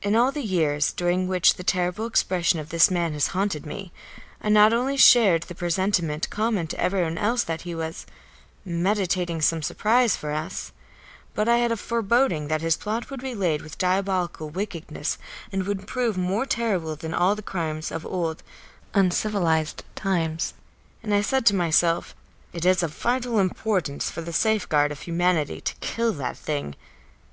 In all the years during which the terrible expression of this man has haunted me, I not only shared the presentiment common to everyone else that he was "meditating some surprise for us," but I had a foreboding that his plot would be laid with diabolical wickedness and would prove more terrible than all the crimes of old, uncivilised times. And I said to myself: "It is of vital importance for the safeguard of humanity to kill that thing."